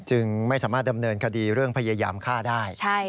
จึงไม่สามารถดำเนินคดีเรื่องพยายามฆ่าได้